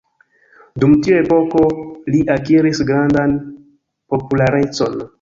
Dum tiu epoko li akiris grandan popularecon.